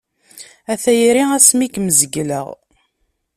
A tayri asmi kem-zegleɣ.